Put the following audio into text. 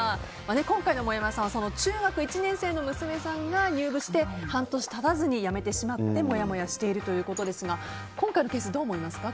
今回のもやもやさんは中学１年生の娘さんが入部して半年経たずに辞めてしまってもやもやしているということですが今回のケースどう思いますか？